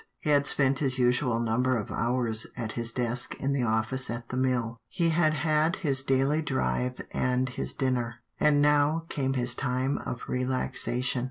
He had spent his usual number of hours at his desk in the office at the mill, he had had his daily drive and his dinner, and now came his time of relaxation.